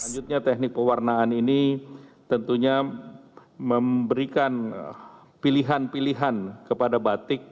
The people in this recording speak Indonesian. selanjutnya teknik pewarnaan ini tentunya memberikan pilihan pilihan kepada batik